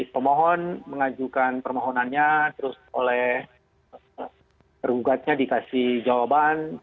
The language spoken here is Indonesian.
terus oleh terhugatnya dikasih jawaban